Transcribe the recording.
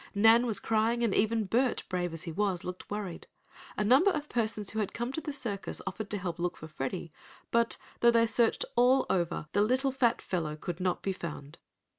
Nan was crying, and even Bert, brave as he was, looked worried. A number of persons who had come to the circus offered to help look for Freddie, but, though they searched all over, the little fat fellow could not be found.